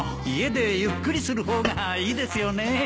家でゆっくりする方がいいですよね